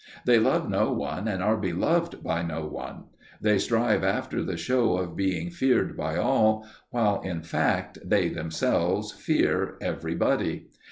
They love no one, and are beloved by no one. They strive after the show of being feared by all, while in fact they themselves fear every body.